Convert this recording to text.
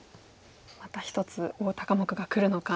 また１つ大高目がくるのか。